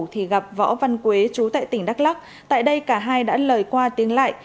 thì gặp võ văn quế chú tại tỉnh đắk lắc tại đây cả hai đã lời qua tiếng lại